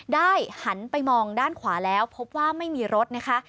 หันไปมองด้านขวาแล้วพบว่าไม่มีรถนะคะ